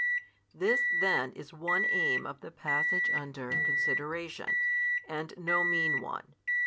This then is one aim of the passage under consideration, and no mean one.